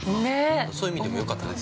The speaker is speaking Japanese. そういう意味でもよかったです。